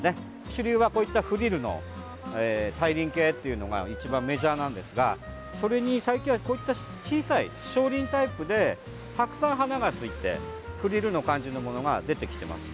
主流はこういったフリルの大輪系というのが一番メジャーなんですがそれに最近はこういった小さい小輪タイプでたくさん花がついてフリルの感じのものが出てきてます。